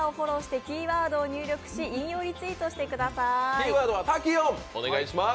キーワードは滝音、お願いします。